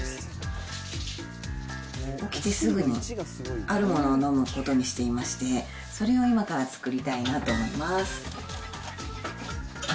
起きてすぐにあるものを飲むことにしていまして、それを今から作りたいなと思います。